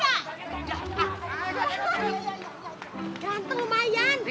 ganteng lumayan tidak ada single lah